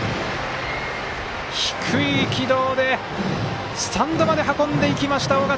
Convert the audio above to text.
低い軌道でスタンドまで運んでいきました、尾形。